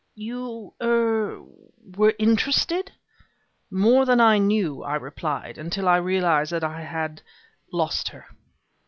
"You er were interested?" "More than I knew," I replied, "until I realized that I had lost her."